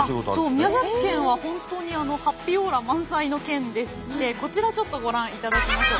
宮崎県は本当にハッピーオーラ満載の県でしてこちらちょっとご覧いただきましょう。